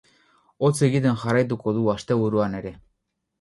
Hotz egiten jarraituko du asteburuan ere.